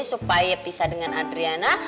supaya pisah dengan adriana